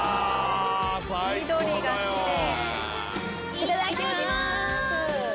いただきます！